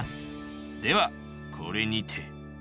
ではこれにて。